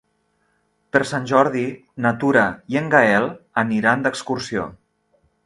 Per Sant Jordi na Tura i en Gaël aniran d'excursió.